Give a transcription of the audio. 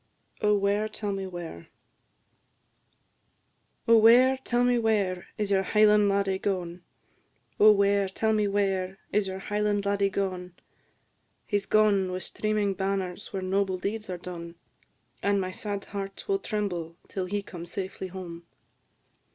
OH, WHERE, TELL ME WHERE? "Oh, where, tell me where, is your Highland laddie gone? Oh, where, tell me where, is your Highland laddie gone?" "He 's gone, with streaming banners, where noble deeds are done, And my sad heart will tremble till he come safely home.